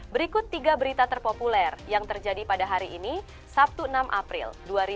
berikut tiga berita terpopuler yang terjadi pada hari ini sabtu enam april dua ribu dua puluh